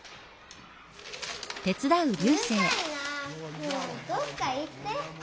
もうどっか行って。